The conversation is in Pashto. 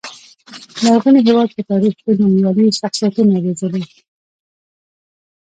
لرغوني هېواد په تاریخ کې نومیالي شخصیتونه روزلي.